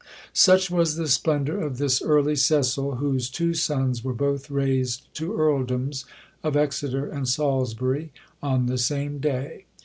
Such was the splendour of this early Cecil, whose two sons were both raised to Earldoms of Exeter and Salisbury on the same day.